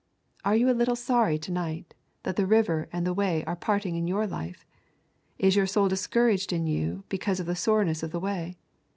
Are you a little sorry to night that the river and the way are parting in your life? Is your soul discouraged in you because of the soreness of the way?